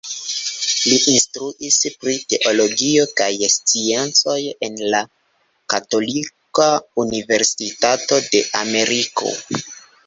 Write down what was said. Li instruis pri teologio kaj sciencoj en la Katolika Universitato de Ameriko.